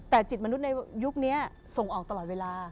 แต่จิตมนุษย์ในยุคนี้ส่งออกตลอดเวลา